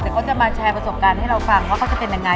เดี๋ยวเขาจะมาแชร์ประสบการณ์ให้เราฟังว่าเขาจะเป็นยังไง